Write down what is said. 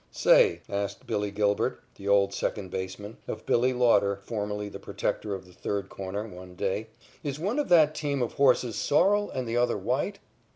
"Say," asked "Billy" Gilbert, the old second baseman, of "Bill" Lauder, formerly the protector of the third corner, one day, "is one of that team of horses sorrel and the other white?"